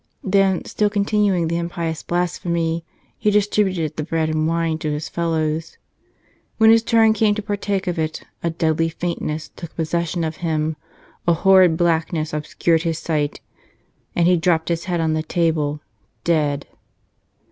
Then, still continuing the impious blasphemy, he distributed the bread and wine to his fellows. When his turn came to partake of it a deadly faintness took posses¬ sion of him, a horid blackness obscured his sight, and he dropped his head on the table — dead